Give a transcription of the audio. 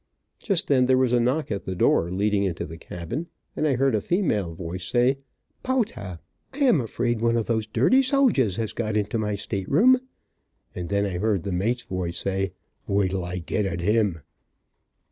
Just then there was a knock at the door leading into the cabin, and I heard a female voice say, "Powtaw, I am afraid one of those dirty soljaws has got into my state room," and then I heard the mate's voice say, "Wait till I get at him."